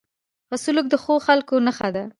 ښه سلوک د ښو خلکو نښه ده.